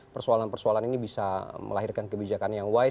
persoalan persoalan ini bisa melahirkan kebijakan yang wise